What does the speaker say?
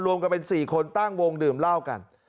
รวมกันเป็น๔คนตั้งวงดื่มเหล้ากัน